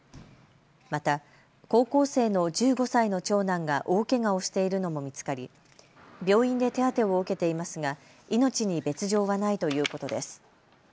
また高校生の１５歳の長男が大けがをしているのも見つかり病院で手当てを受けていますが命に別状はないということです。